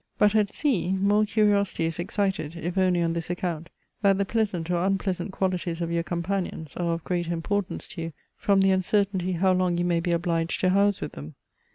But at sea, more curiosity is excited, if only on this account, that the pleasant or unpleasant qualities of your companions are of greater importance to you, from the uncertainty how long you may be obliged to house with them.